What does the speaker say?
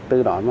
từ đó mà